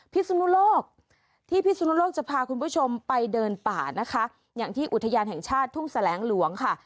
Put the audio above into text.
พิสุนุโลกที่พิสุนุโลกจะพาคุณผู้ชมไปเดินป่านะคะอย่างที่อุทยานแห่งชาติทุ่งแสลงหลวงค่ะ